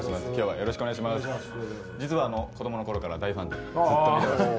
実は子供のころから大ファンでずっと見てました。